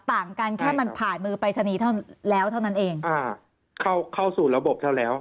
ต่างกันแค่มันผ่านมือปรายศนีย์เท่าแล้วเท่านั้นเองอ่าเข้าเข้าสู่ระบบเท่าแล้ว